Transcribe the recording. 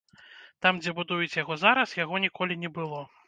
Там, дзе будуюць яго зараз, яго ніколі не было.